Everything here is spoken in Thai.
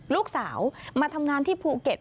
ลูกสาวมาทำงานที่ภูเก็ต